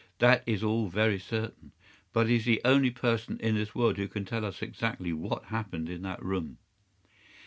That is all very certain. But he is the only person in this world who can tell us exactly what happened in that room."